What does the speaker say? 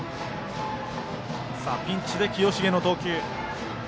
ピンチで清重の投球。